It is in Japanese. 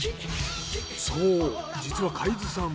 そう実は海津さん